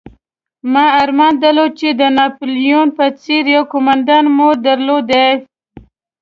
ما ارمان درلود چې د ناپلیون په څېر یو قومندان مو درلودلای.